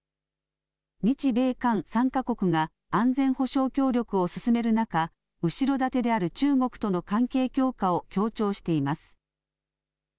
日米韓３か国が安全保障協力を進める中、後ろ盾である中国との関係強化を強調しています。